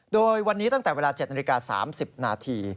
โดยวันนี้ตั้งแต่เวลา๗นาฬิกา๓๐นาที